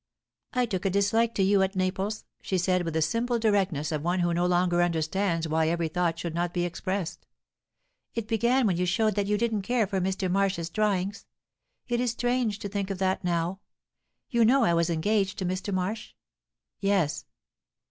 "I took a dislike to you at Naples," she said, with the simple directness of one who no longer understands why every thought should not be expressed. "It began when you showed that you didn't care for Mr. Marsh's drawings. It is strange to think of that now. You know I was engaged to Mr. Marsh?" "Yes."